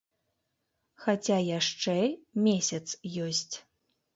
Хаця яшчэ месяц ёсць.